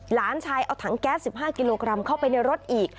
หลานชายเอาถังแก๊ส๑๕กิโลกรัมเข้าไปในรถอีก